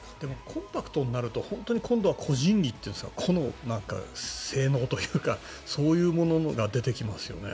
コンパクトになると本当は今度は個人技というか個の性能というかそういうものが出てきますよね。